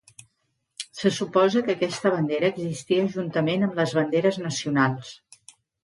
Se suposa que aquesta bandera existia juntament amb les banderes nacionals.